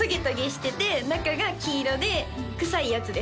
てて中が黄色で臭いやつです